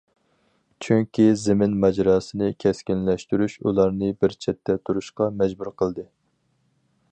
چۈنكى زېمىن ماجىراسىنى كەسكىنلەشتۈرۈش ئۇلارنى بىر چەتتە تۇرۇشقا مەجبۇر قىلدى.